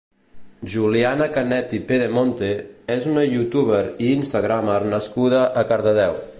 Juliana Canet i Pedemonte és una youtuber i Instagramer nascuda a Cardedeu.